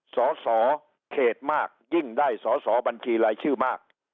สอสอเขตมากยิ่งได้สอสอบัญชีรายชื่อมาก